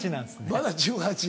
まだ１８歳。